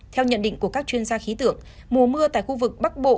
theo nhận định của các chuyên gia khí tượng mùa mưa tại khu vực bắc bộ